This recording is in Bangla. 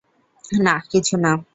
নাহ, কিছুনা।